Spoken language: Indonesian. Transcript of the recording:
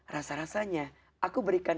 rasa rasanya aku berikan